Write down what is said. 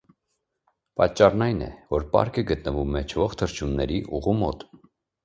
Պատճառն այն է, որ պարկը գտնվում է չվող թռչունների ուղու մոտ։